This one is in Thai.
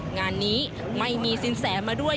งานนี้ไม่มีสินแสมาด้วย